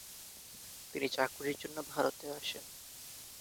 তিনি চাকুরীর জন্য ভারতে আসেন।